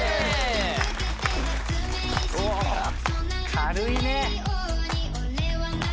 軽いね。